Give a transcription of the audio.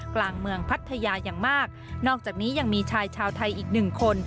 กลางเมืองพัทยาอย่างมากนอกจากนี้ยังมีชายชาวไทยอีกหนึ่งคน